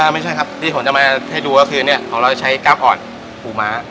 ไม่ใช่ครับที่ผมจะมาให้ดูก็คือของเราจะใช้กล้ามอ่อนปูม้า